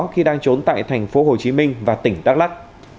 khi đang trốn tại thành phố hồ chí minh và tỉnh đắk lắc